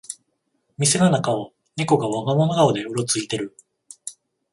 店の中をネコが我が物顔でうろついてる